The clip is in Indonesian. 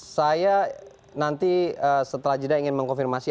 saya nanti setelah jeda ingin mengkonfirmasi